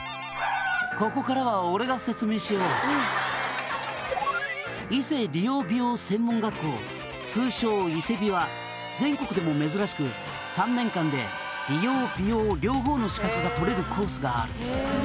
「ここからは俺が説明しよう」「通称伊勢美は全国でも珍しく３年間で理容美容両方の資格が取れるコースがある」